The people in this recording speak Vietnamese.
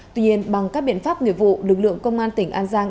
tuy nhiên bằng các biện pháp nghiệp vụ lực lượng công an tỉnh an giang